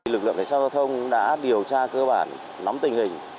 lực lượng cảnh sát giao thông đã điều tra cơ bản nắm tình hình